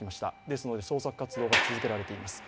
ですので捜索活動が続けられています。